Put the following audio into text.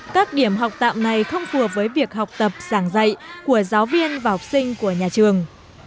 các điểm học tạm này không phù hợp với việc học tập sảng dạy của giáo viên và học sinh của nhà trường